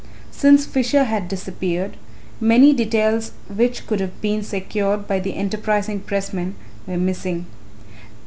Since Fisher had disappeared, many of the details which could have been secured by the enterprising pressmen were missing.